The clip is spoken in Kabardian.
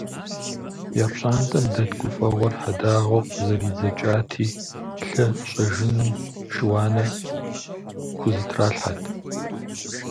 Я пщӏантӏэм дэт гуфӏэгъуэр хьэдагъэу къызэридзэкӏати, лъы щӏэжыным шы-уанэ хузэтралъхьэрт.